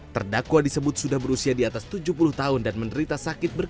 terdakwa disebut sudah berusia di atas tujuh puluh tahun dan menderita sakit berat